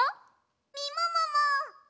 みももも！